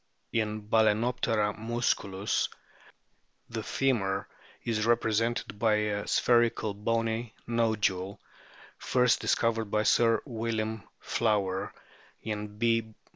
In Bal&noptera musculus the femur is represented by a spherical bony nodule, first discovered by Sir William Flower ; in B.